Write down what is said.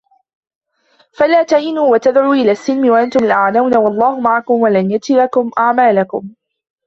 فَلَا تَهِنُوا وَتَدْعُوا إِلَى السَّلْمِ وَأَنْتُمُ الْأَعْلَوْنَ وَاللَّهُ مَعَكُمْ وَلَنْ يَتِرَكُمْ أَعْمَالَكُمْ